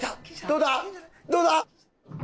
どうだ？